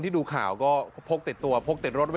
ที่ดูข่าวก็พกเตะตัวตัดรถสกัดก็ดี